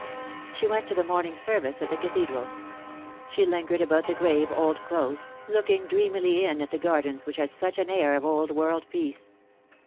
She went to the morning service at the Cathedral. She lin gered about the grave old Close, looking dreamily in at the gardens which had such an air of old world peace.